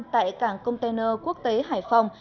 tại cảng container quốc tế hải phòng